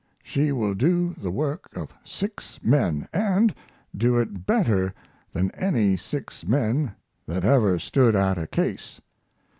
She will do the work of six men, and do it better than any six men that ever stood at a case.